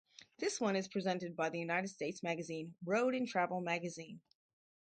This one is presented by the United States magazine "Road and Travel Magazine".